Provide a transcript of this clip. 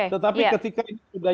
tetapi ketika ini sudah jadi masalah